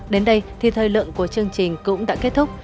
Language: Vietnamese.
đến đây thì thời lượng của chương trình cũng đã kết thúc